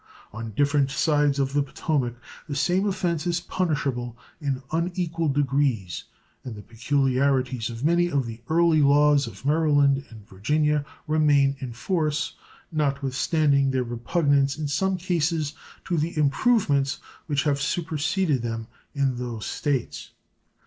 On different sides of the Potomac the same offense is punishable in unequal degrees, and the peculiarities of many of the early laws of Maryland and Virginia remain in force, not with standing their repugnance in some cases to the improvements which have superseded them in those States.